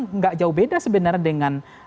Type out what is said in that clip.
nggak jauh beda sebenarnya dengan